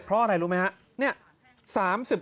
เพราะอะไรรู้ไหมครับ